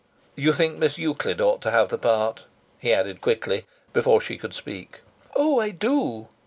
"You think Miss Euclid ought to have the part," he added quickly, before she could speak. "Oh! I do!"